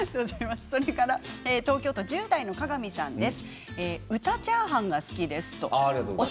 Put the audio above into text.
東京都１０代の方です。